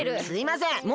すいません。